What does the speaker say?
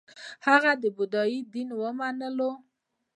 هغه بودايي دین ومانه